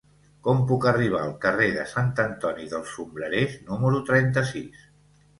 Com puc arribar al carrer de Sant Antoni dels Sombrerers número trenta-sis?